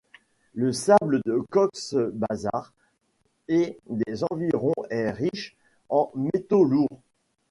Le sable de Cox's Bazar et des environs est riche en métaux lourds.